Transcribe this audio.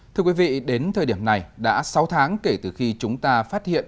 thưa quý vị đến thời điểm này đã sáu tháng kể từ khi chúng ta phát hiện